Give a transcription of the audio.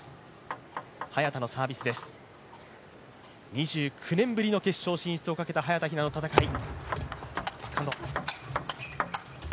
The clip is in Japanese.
２９年ぶりの決勝進出をかけた早田ひなの戦い。